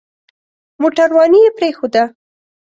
موټرواني يې پرېښوده.